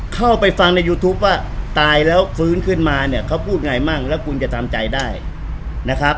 เข้าไปฟังในยูทูปว่าตายแล้วฟื้นขึ้นมาเนี่ยเขาพูดไงมั่งแล้วคุณจะทำใจได้นะครับ